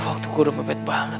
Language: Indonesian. waktu ku udah pepet banget